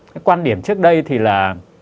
cái quan điểm trước đây thì là